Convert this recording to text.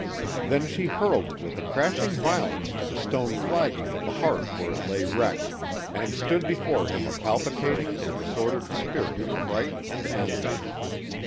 Then she hurled it with a crashing violence to the stone flagging of the hearth where it lay wrecked, and stood before him a palpitating and disordered spirit of fright and anger.